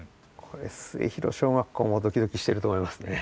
これ末広小学校もドキドキしてると思いますね。